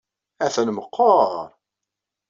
Atan meqqar!